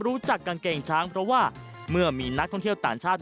กางเกงช้างเพราะว่าเมื่อมีนักท่องเที่ยวต่างชาติ